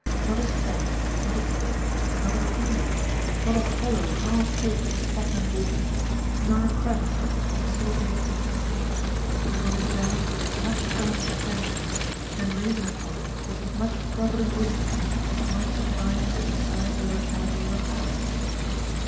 Not a stem, not a stick, not a reed, not a hollow half Glled with stagnant water, nor a crevice that might facilitate its escape, but was examined with as much earnest attention, and reasoned upon with as much provident wisdom as might suffice to decide tlie locality of a palace.